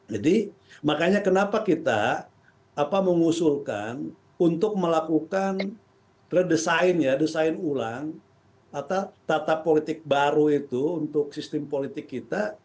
jadi makanya kenapa kita mengusulkan untuk melakukan redesign ya design ulang atau tata politik baru itu untuk sistem politik kita